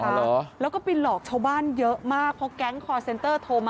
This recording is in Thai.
เหรอแล้วก็ไปหลอกชาวบ้านเยอะมากเพราะแก๊งคอร์เซ็นเตอร์โทรมา